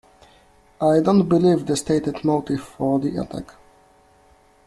I don't believe the stated motive for the attack.